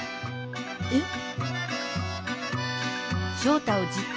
えっ？